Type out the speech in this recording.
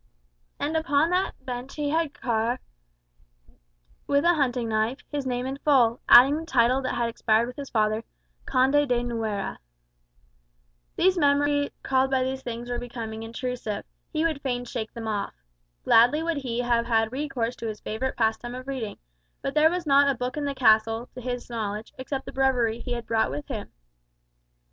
And upon that bench he had carved, with a hunting knife, his name in full, adding the title that had expired with his father, "Conde de Nuera." The memories these things recalled were becoming intrusive: he would fain shake them off. Gladly would he have had recourse to his favourite pastime of reading, but there was not a book in the castle, to his knowledge, except the breviary he had brought with him.